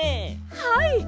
はい。